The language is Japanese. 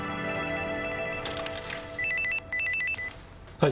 はい。